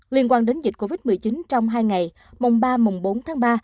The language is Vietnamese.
liên quan đến dịch covid một mươi chín trong hai ngày mùng ba mùng bốn tháng ba